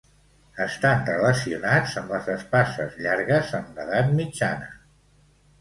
Estan relacionats amb les espases llargues en l'edat mitjana.